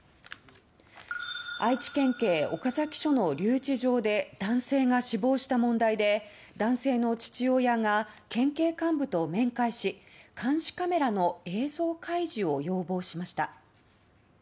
愛知県警岡崎署の留置場で男性が死亡した問題で男性の父親が県警幹部と面会し監視カメラの映像開示を要望しました。